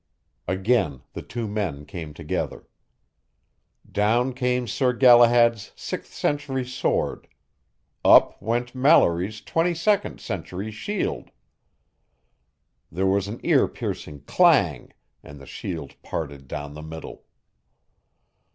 Again, the two men came together. Down came Sir Galahad's sixth century sword; up went Mallory's twenty second century shield. There was an ear piercing clang, and the shield parted down the middle.